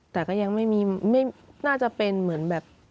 แต่ก็ยังไม่น่าจะเป็นเหมือนแบบ